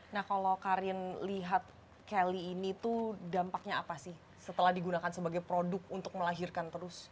nah kalau karin lihat kelly ini tuh dampaknya apa sih setelah digunakan sebagai produk untuk melahirkan terus